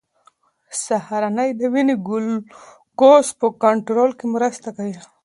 سهارنۍ د وینې ګلوکوز په کنټرول کې مرسته کوي.